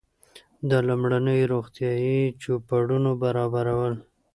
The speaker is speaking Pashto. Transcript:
د لومړنیو روغتیایي چوپړونو برابرول.